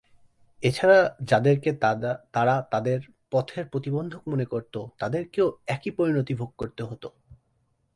এছাড়া যাদেরকে তারা তাদের পথের প্রতিবন্ধক মনে করত, তাদেরকেও একই পরিণতি ভোগ করতে হত।